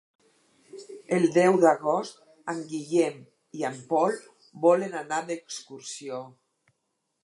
El deu d'agost en Guillem i en Pol volen anar d'excursió.